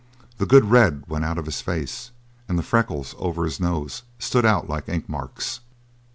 The good red went out of his face and the freckles over his nose stood out like ink marks.